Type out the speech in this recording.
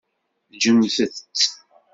Ǧǧemt-tt.